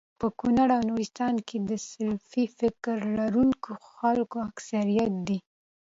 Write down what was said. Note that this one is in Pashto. په کونړ او نورستان کي د سلفي فکر لرونکو خلکو اکثريت دی